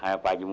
hanya pak hidin